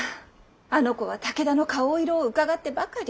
あの子は武田の顔色をうかがってばかり。